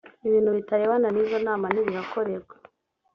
ibintu bitarebana n izo nama ntibihakorerwa